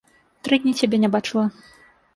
Тры дні цябе не бачыла.